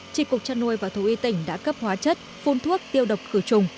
trịt cục chăn nuôi và thú y tỉnh đã cấp hóa chất phun thuốc tiêu độc cửa trùng